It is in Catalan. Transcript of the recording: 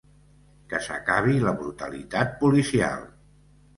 Que s’acabi la brutalitat policial.